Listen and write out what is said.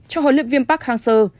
cho hỗ luyện viên park hang seo